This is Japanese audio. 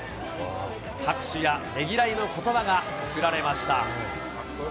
拍手やねぎらいのことばが送られました。